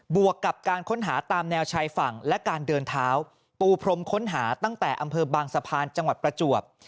วกกับการค้นหาตามแนวชายฝั่งและการเดินเท้าปูพรมค้นหาตั้งแต่อำเภอบางสะพานจังหวัดประจวบ